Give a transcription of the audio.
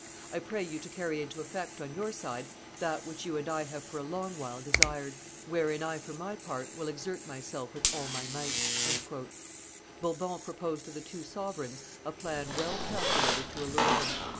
I pray you to carry into effect on your side that which you and I have for a long while desired, wherein I for my part will exert myself with all my might." Bourbon proposed to the two sovereigns a plan well calculated to allure them.